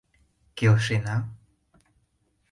Келшена?